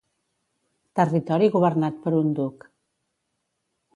Territori governat per un duc.